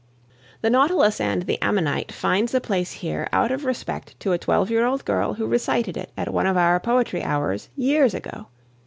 "The Nautilus and the Ammonite" finds a place here out of respect to a twelve year old girl who recited it at one of our poetry hours years ago.